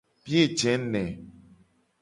Biye je ne.